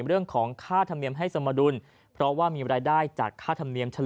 เรื่องของค่าธรรมเนียมให้สมดุลเพราะว่ามีรายได้จากค่าธรรมเนียมเฉลี่